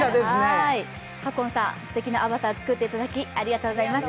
カプコンさん、すてきなアバター作っていただき、ありがとうございました。